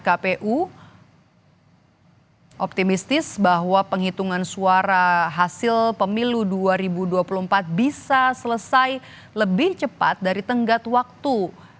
kpu optimistis bahwa penghitungan suara hasil pemilu dua ribu dua puluh empat bisa selesai lebih cepat dari tenggat waktu